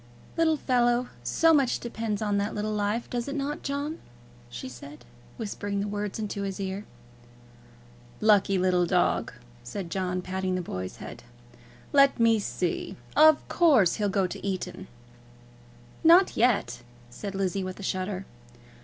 "Little fellow! So much depends on that little life, does it not, John?" she said, whispering the words into his ear. "Lucky little dog!" said John, patting the boy's head. "Let me see! of course he'll go to Eton." "Not yet," said Lizzie with a shudder.